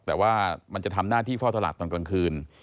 แต่ว่ามันจะทำหน้าที่เฝ้าตลาดตอนกลางคืน